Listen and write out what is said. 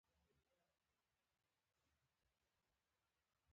هغه چا کیسه کوي.